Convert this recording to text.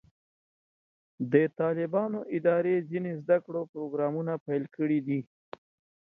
د طالبانو ادارې ځینې زده کړو پروګرامونه پیل کړي دي.